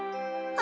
あ！